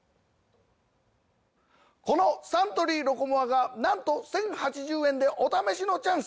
このサントリー「ロコモア」がなんと１，０８０円でお試しのチャンス！